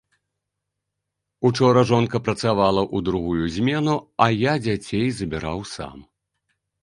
Учора жонка працавала ў другую змену, а я дзяцей забіраў сам.